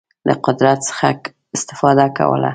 له قدرت څخه استفاده کوله.